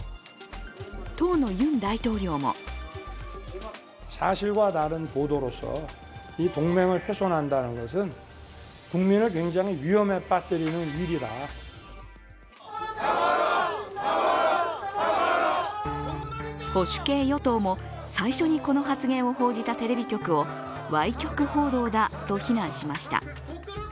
当のユン大統領も保守系与党も最初にこの発言を報じたテレビ局をわい曲報道だと非難しました。